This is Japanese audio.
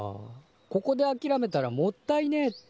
ここであきらめたらもったいねえって。